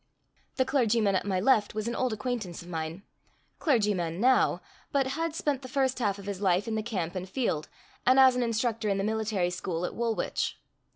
The clergyman at my left was an old acquaintance of mine&#8212clergyman now, but had spent the first half of his life in the camp and field, and as an instructor in the military school at Woolwich.